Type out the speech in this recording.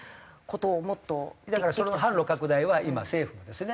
だからその販路拡大は今政府ですね。